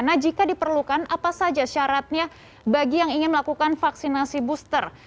nah jika diperlukan apa saja syaratnya bagi yang ingin melakukan vaksinasi booster